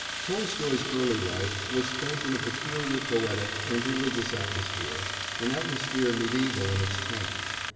Tolstoy's early life was spent in a peculiar poetic and religious atmosphere, an atmosphere mediæval in its tone.